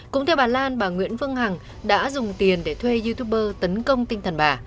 cũng theo bà lan bà nguyễn phương hằng đã dùng tiền để thuê youtuber tấn công tinh thần bà